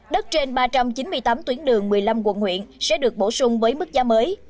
đất trên ba trăm chín mươi tám tuyến đường một mươi năm quận huyện sẽ được bổ sung với mức giá mới